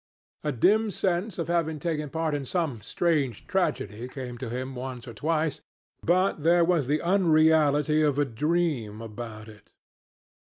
A dim sense of having taken part in some strange tragedy came to him once or twice, but there was the unreality of a dream about it.